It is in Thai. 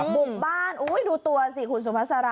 บุ่มบ้านอุ้ยดูตัวสิคุณสุภาษาระ